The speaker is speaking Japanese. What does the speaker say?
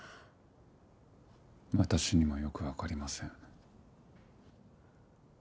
私にもよくわかりません。